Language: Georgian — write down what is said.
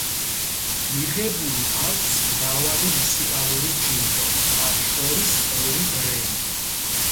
მიღებული აქვს მრავალი მუსიკალური ჯილდო, მათ შორის ორი გრემი.